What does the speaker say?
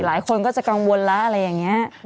หลายคนก็จะกังวลแล้วอะไรอย่างนี้